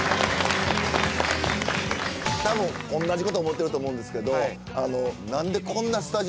たぶん同じこと思ってると思うんですけど